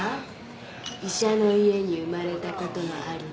医者の家に生まれたことのありがたみ。